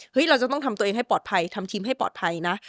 เราจะต้องทำตัวเองให้ปลอดภัยทำทีมให้ปลอดภัยนะ